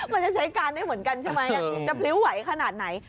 มันจะใช้การได้เหมือนกันใช่ไหมจะพลิ้วไหวขนาดไหน